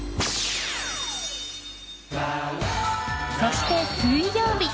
そして水曜日。